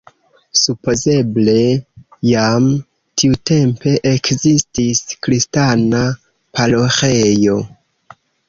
Supozeble jam tiutempe ekzistis kristana paroĥejo.